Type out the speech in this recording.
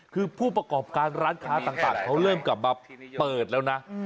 คือผู้ประกอบการร้านค้าต่างเขาเริ่มกลับมาเปิดแล้วนะ